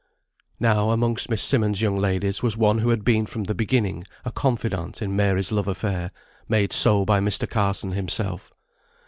Now, amongst Miss Simmonds' young ladies was one who had been from the beginning a confidant in Mary's love affair, made so by Mr. Carson himself.